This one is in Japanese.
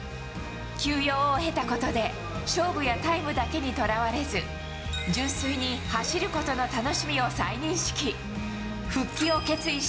休養を経たことで、勝負やタイムだけにとらわれず、純粋に走ることの楽しみを再認識。